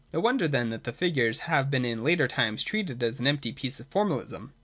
No wonder then that the figures have been in later times treated as an empty piece of formalism.